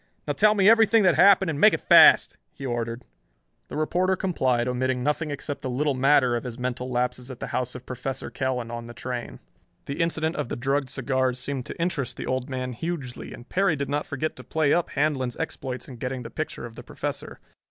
"Now tell me everything that happened and make it fast," he ordered. The reporter complied, omitting nothing except the little matter of his mental lapses at the house of Professor Kell and later on the train. The incident of the drugged cigars seemed to interest the Old Man hugely, and Perry did not forget to play up Handlon's exploits in getting the picture of the Professor.